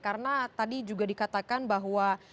karena tadi juga dikatakan bahwa